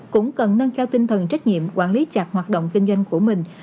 cũng cần nâng cao tinh thần trách nhiệm quản lý chặt hoạt động kinh doanh của mình